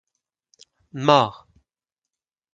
Mort!